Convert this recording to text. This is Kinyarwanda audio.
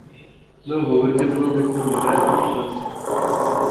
Ndumva uburyo bwo gukemura ikibazo